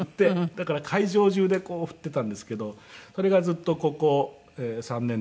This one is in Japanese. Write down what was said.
だから会場中でこう振っていたんですけどそれがずっとここ３年できていないので。